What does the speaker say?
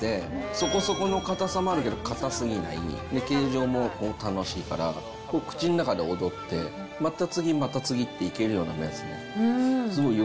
そこそこの硬さもあるけど硬すぎない、形状も楽しいから、口の中でおどって、また次、また次っていける麺ですね。